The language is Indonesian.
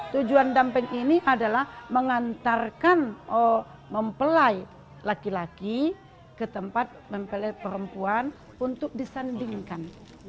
tujuan dampeng ini adalah mengantarkan mempelai laki laki ke tempat mempelai perempuan untuk disandingkan